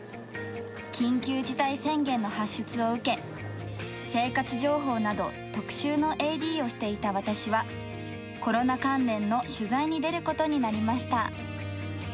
緊急事態宣言の発出を受け、生活情報など特集のＡＤをしていた私は、コロナ関連の取材に出ることになりました。